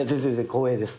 光栄です。